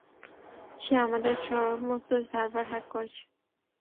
সে আমাদের সমস্ত server hack করেছে।